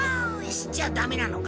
しちゃダメなのか。